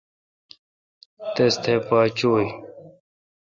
تس تھہ پہ چو°ی۔